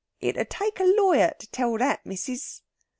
"It'd take a lawyer to tell that, missis."